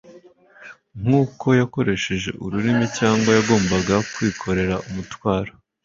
Nkuko yakoresheje urumuri cyangwa yagombaga kwikorera umutwaro